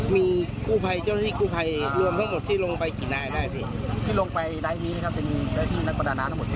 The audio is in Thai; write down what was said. มีอุปสรรคกู้ภัยเยอะทั้งหมดที่ลงไปสี่นายได้